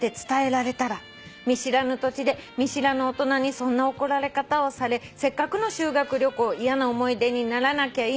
「見知らぬ土地で見知らぬ大人にそんな怒られ方をされせっかくの修学旅行嫌な思い出にならなきゃいいな」